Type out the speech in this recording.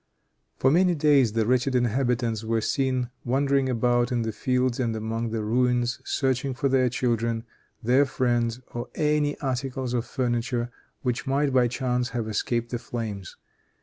For many days the wretched inhabitants were seen wandering about, in the fields and among the ruins, searching for their children, their friends or any articles of furniture which might, by chance, have escaped the flames.